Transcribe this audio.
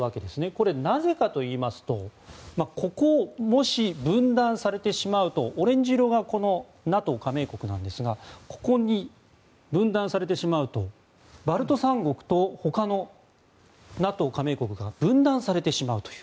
これ、なぜかといいますとここをもし分断されてしまうとオレンジ色がＮＡＴＯ加盟国なんですがここに分断されてしまうとバルト三国とほかのＮＡＴＯ加盟国が分断されてしまうという。